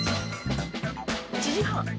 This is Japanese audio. １時半？